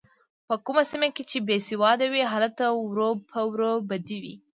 په کومه سیمه کې چې بې سوادي وي هلته وره په وره بدي وي.